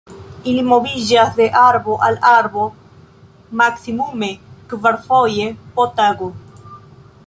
Ili moviĝas de arbo al arbo maksimume kvarfoje po tago.